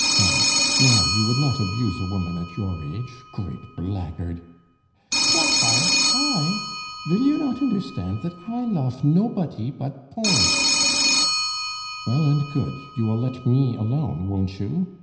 Ah! now, you would not abuse a woman at your age, great blackguard " "Placard? I? Vill you not oonderstand that I lof nopody but Bons?" "Well and good, you will let me alone, won't you?"